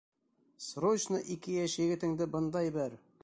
Срочно ике йәш егетеңде бында ебәр!